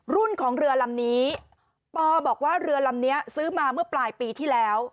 ของเรือลำนี้ปอบอกว่าเรือลำนี้ซื้อมาเมื่อปลายปีที่แล้ว